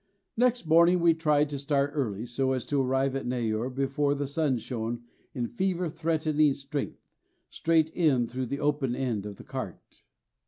Next morning we tried to start early, so as to arrive at Neyoor before the sun shone in fever threatening strength straight in through the open end of the cart.